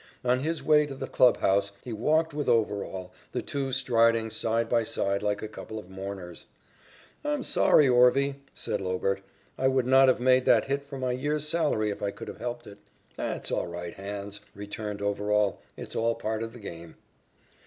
On his way to the clubhouse, he walked with Overall, the two striding side by side like a couple of mourners. "I'm sorry, 'Orvie,'" said Lobert. "I would not have made that hit for my year's salary if I could have helped it." "That's all right, 'Hans,'" returned Overall. "It's all part of the game."